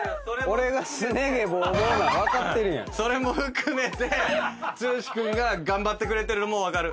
それも含めて剛君が頑張ってくれてるのも分かる。